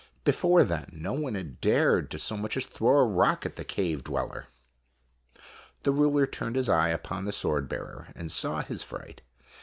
Before then no one had dared so much as to throw a rock at the cave dweller. The ruler turned his eye upon the swordbearer and saw his fright.